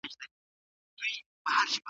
چي آواز به یې خپل قام لره ناورین وو